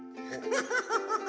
フフフフフ。